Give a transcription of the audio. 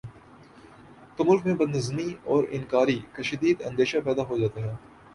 تو ملک میں بد نظمی اور انارکی کا شدید اندیشہ پیدا ہو جاتا ہے